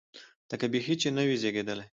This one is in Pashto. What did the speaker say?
لکه بیخي چې نه وي زېږېدلی.